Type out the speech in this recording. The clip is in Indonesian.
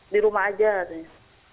di rumah saja katanya